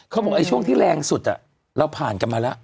เขาบอกช่วงที่แรงสุดเราผ่านกันมาแล้ว